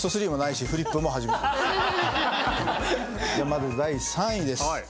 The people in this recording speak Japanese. じゃあまず第３位です。